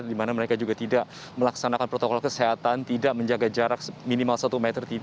di mana mereka juga tidak melaksanakan protokol kesehatan tidak menjaga jarak minimal satu meter